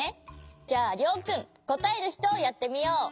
じゃありょうくんこたえるひとをやってみよう。